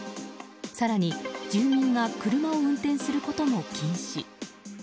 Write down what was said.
更に住民が車を運転することも禁止。